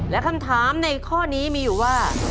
และคำถามในข้อนี้มีอยู่ว่า